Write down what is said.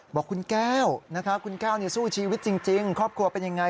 บอกคุณแก้วคุณแก้วสู้ชีวิตจริงครอบครัวเป็นยังไง